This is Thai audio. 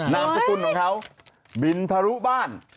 นามสกุลของเขาบินทะลุบ้าน